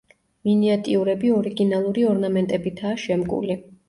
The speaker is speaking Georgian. მინიატიურები ორიგინალური ორნამენტებითაა შემკული.